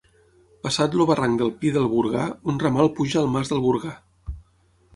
Passat el barranc del Pi del Burgar, un ramal puja al Mas del Burgar.